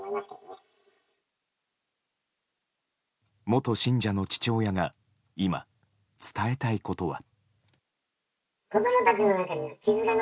元信者の父親が今、伝えたいことは。